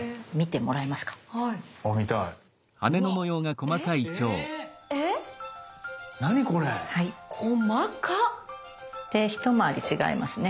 細か！で一回り違いますね。